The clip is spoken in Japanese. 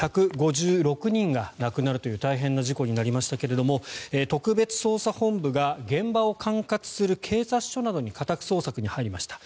１５６人が亡くなるという大変な事故になりましたが特別捜査本部が現場を管轄する警察署などに家宅捜索に入りました。